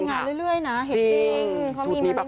มันก็มีงานเรื่อยนะเห็นจริงเขามีงานเรื่อย